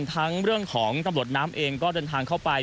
ทั้งเรื่องของตำรวจน้ำเองก็เดินทางเข้าไป